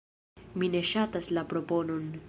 Mi ne ŝatas la proponon.